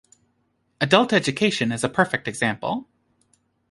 'Adult Education' is a perfect example.